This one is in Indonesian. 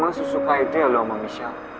emang sesuka itu ya lo sama michelle